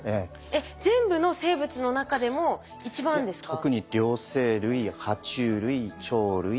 えっ全部の生物の中でも一番ですか？